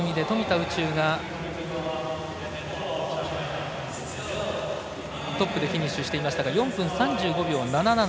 宇宙がトップでフィニッシュしていましたが４分３５秒７７。